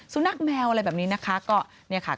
สุนัขแมวอะไรแบบนี้นะคะ